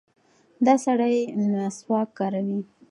دا سړی مسواک کاروي.